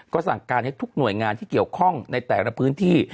ก็สั่งการให้ทุกหน่วยงานที่เกี่ยวข้องในแต่ละพื้นที่